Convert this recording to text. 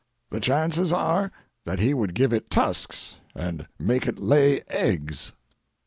The chances are that he would give it tusks and make it lay eggs.